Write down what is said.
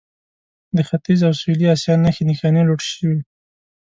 د ختیځ او سویلي اسیا نښې نښانې لوټ شوي.